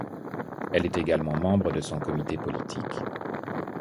Elle est également membre de son comité politique.